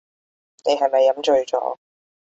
你係咪飲醉咗